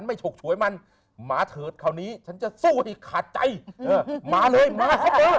ไม่ชกชวยมันมาเถิดเก่านี้จะสู้คาใจมาเลยมา